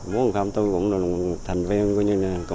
muốn không tôi cũng thành viên